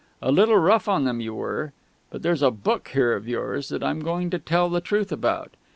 A little rough on them you were. But there's a book here of yours that I'm going to tell the truth about.